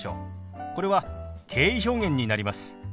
これは敬意表現になります。